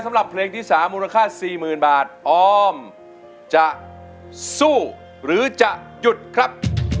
สำหรับเพลงที่๓มูลค่า๔๐๐๐บาทออมจะสู้หรือจะหยุดครับ